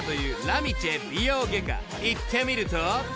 ［行ってみると］